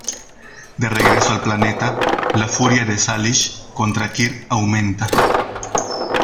De regreso al planeta, la furia de Salish contra Kirk aumenta.